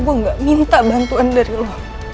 gue gak minta bantuan dari lo